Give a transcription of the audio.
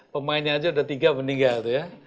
pemainnya aja udah tiga meninggal gitu ya